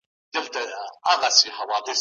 ما یوه خیالي نړۍ جوړه وه.